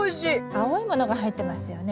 青いものが入ってますよね。